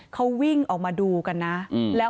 เขาวิ่งออกมาดูกันนะ